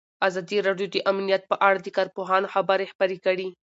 ازادي راډیو د امنیت په اړه د کارپوهانو خبرې خپرې کړي.